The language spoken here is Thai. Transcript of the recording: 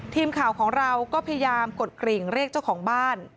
ทีมข่าวของเราก็พยายามกดกริ่งเรียกเจ้าของบ้าน